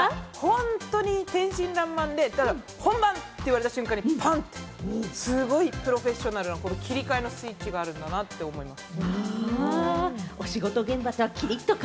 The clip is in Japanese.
本当に天真爛漫で、本番と言われた瞬間にパンッて、すごいプロフェッショナルな切り替えのスイッチがあるんだなと思います。